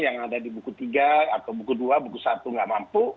yang ada di buku tiga atau buku dua buku satu nggak mampu